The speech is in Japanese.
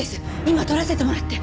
今撮らせてもらって。